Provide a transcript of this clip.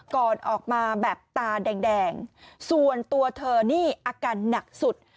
ก่อนออกมาแบบตาแดงส่วนตัวเธอนี่อาการหนักสุด